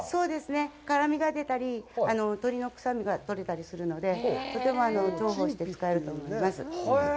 辛みが出たり、鶏の臭みが取れたりするので、とても重宝して使えると思います。